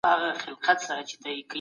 د پيغمبر لومړی حکم زده کړه وه.